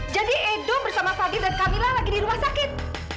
jadi edo bersama fadil dan camilla lagi di rumah sakit